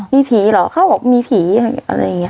มีผีเหรอเขาบอกมีผีอะไรอย่างนี้